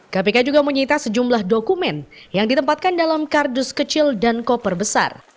kpk juga menyita sejumlah dokumen yang ditempatkan dalam kardus kecil dan koper besar